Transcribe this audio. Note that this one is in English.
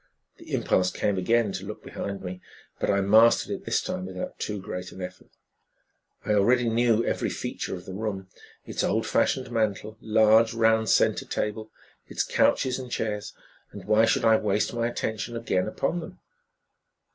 The impulse came again to look behind me, but I mastered it this time without too great an effort. I already knew every feature of the room: its old fashioned mantel, large round center table, its couches and chairs, and why should I waste my attention again upon them?